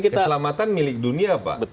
keselamatan milik dunia pak